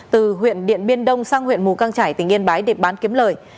từ huyện điện biên đông sang huyện mù căng trải tỉnh yên bái để bán kiếm lời